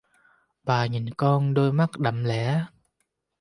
Bà nhìn con đôi mắt đậm lẻ